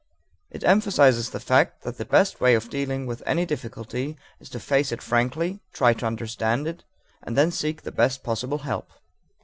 It emphasizes the fact that the best way of dealing with any difficulty is to face it frankly, try to understand it, and then seek the best possible help.